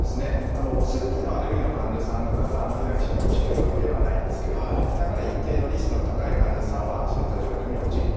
全てのアレルギーの患者さん方がアナフィラキシーに陥るわけではないんですけれどもやはり一定のリスクの高い患者さんはそういった状況に陥ります。